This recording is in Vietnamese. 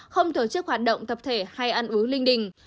không thổ chức hoạt động tập thể hay ăn uống linh đình